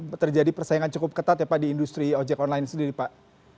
maka ilang penghasilan kami adalah sekitar tujuh puluh delapan puluh persen tersebut